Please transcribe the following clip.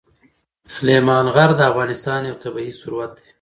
سلیمان غر د افغانستان یو طبعي ثروت دی.